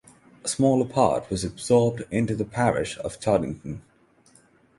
A smaller part was absorbed into the parish of Toddington.